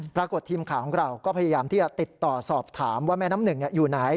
ปรากฏว่าทีมข่าวของเราก็พยายามที่จะติดต่อสอบถามว่าแม่น้ำหนึ่งอยู่ไหน